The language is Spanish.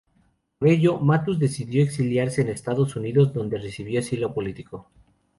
Por ello, Matus decidió exiliarse en Estados Unidos, donde recibió asilo político.